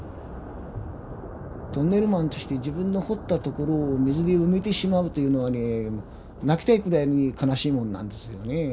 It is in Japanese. トンネルマンとして自分の掘った所を水で埋めてしまうというのはねえ泣きたいくらいに悲しいもんなんですよねえ。